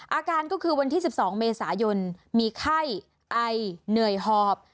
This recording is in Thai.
อาการก็คือวันที่๑๒เมษายนมีไข้ไอเหนื่อยหอบ